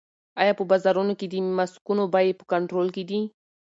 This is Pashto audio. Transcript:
آیا په بازارونو کې د ماسکونو بیې په کنټرول کې دي؟